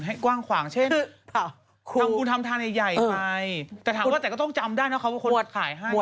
หมวดจรูนใช่ไหม